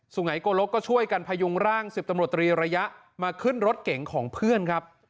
ไงโกลกก็ช่วยกันพยุงร่าง๑๐ตำรวจตรีระยะมาขึ้นรถเก๋งของเพื่อนครับ